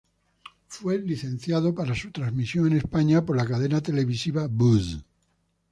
Fue licenciado para su transmisión en España por la cadena televisiva Buzz.